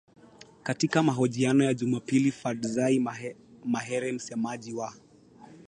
Katika mahojiano ya Jumapili Fadzayi Mahere msemaji wa